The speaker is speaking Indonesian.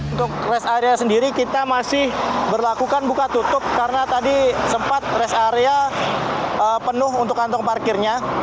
untuk rest area sendiri kita masih berlakukan buka tutup karena tadi sempat rest area penuh untuk kantong parkirnya